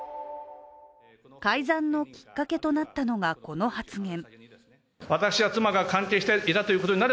改ざんのきっかけとなったのがこの発言。